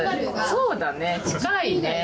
そうだね近いね。